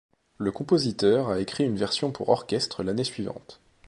Le compositeur a écrit une version pour orchestre l'année suivante.